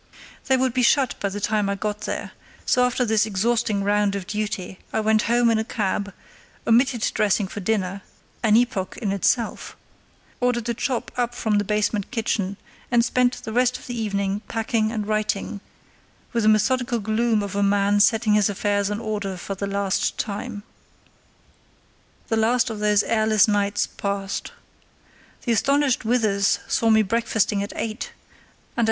They would be shut by the time I got there, so after this exhausting round of duty I went home in a cab, omitted dressing for dinner (an epoch in itself), ordered a chop up from the basement kitchen, and spent the rest of the evening packing and writing, with the methodical gloom of a man setting his affairs in order for the last time. The last of those airless nights passed. The astonished Withers saw me breakfasting at eight, and at 9.